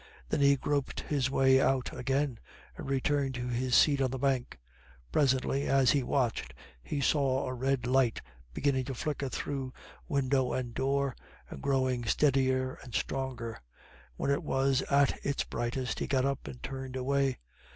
Then he groped his way out again, and returned to his seat on the bank. Presently, as he watched, he saw a red light beginning to flicker through window and door, and growing steadier and stronger. When it was at its brightest, he got up and turned away.